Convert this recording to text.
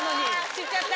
知っちゃった。